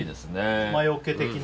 魔除け的な。